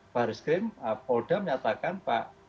baris krim polda menyatakan pak